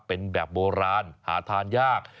เป็นแบบโบราณหาทานยาก